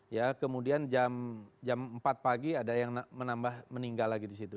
ya kemudian jam empat pagi ada yang menambah meninggal lagi di situ